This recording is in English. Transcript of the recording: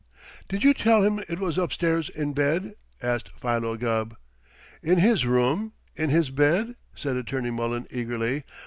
"Did you tell him it was upstairs, in bed?" asked Philo Gubb. "In his room? In his bed?" said Attorney Mullen eagerly.